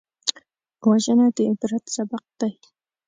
وژنه د عبرت سبق دی